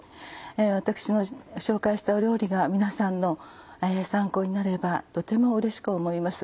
私の紹介した料理が皆さんの参考になればとてもうれしく思います。